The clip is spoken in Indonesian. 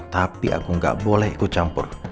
tapi aku gak boleh ikut campur